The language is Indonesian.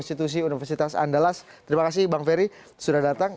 institusi universitas andalas terima kasih bang ferry sudah datang